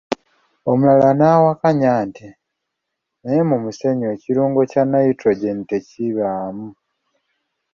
Omulala n’awakanya nti, “Naye mu musenyu ekirungo kya ''nitrogen'' tekibaamu.”